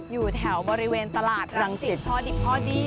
อยู่แถวบริเวณตลาดรังสิตพอดีเลย